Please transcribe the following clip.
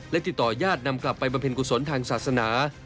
และติดต่อญาตินำกลับไปบำเพ็ญกุศลทางศาสนา